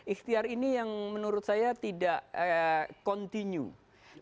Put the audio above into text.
ikhtiar ini yang menurut saya tidak continue